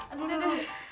aduh aduh aduh